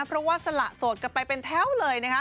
เพราะว่าสละโสดกันไปเป็นแถวเลย